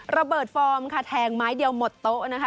ฟอร์มค่ะแทงไม้เดียวหมดโต๊ะนะคะ